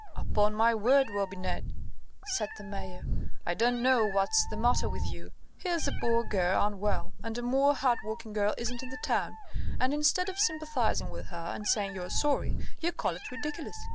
"Upon my word, Robinet," said the Mayor, "I don't know what's the matter with you. Here's a poor girl unwell, and a more hard working girl isn't in the town, and instead of sympathising with her, and saying you're sorry, you call it ridiculous!